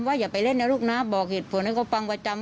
อย่าไปเล่นนะลูกนะบอกเหตุผลให้เขาฟังประจำ